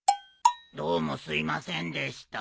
どうもすいませんでした。